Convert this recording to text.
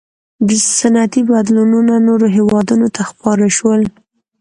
• صنعتي بدلونونه نورو هېوادونو ته خپاره شول.